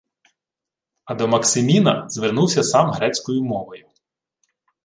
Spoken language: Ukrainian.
А до Максиміна звернувся сам грецькою мовою: